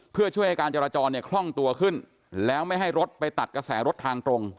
เพื่อช่วยให้การจราจรเนี่ยคล่องตัวขึ้นแล้วไม่ให้รถไปตัดกระแสรถทางตรง